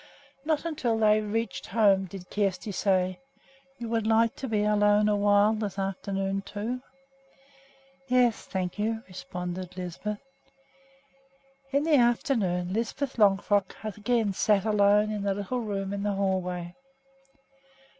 Not until they had reached home did Kjersti say, "You would like to be alone awhile this afternoon, too?" "Yes, thank you," responded Lisbeth. In the afternoon Lisbeth Longfrock again sat alone in the little room in the hall way.